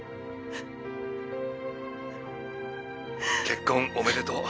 結婚おめでとう。